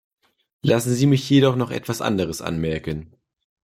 Lassen Sie mich jedoch noch etwas anderes anmerken.